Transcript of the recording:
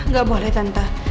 gak boleh tante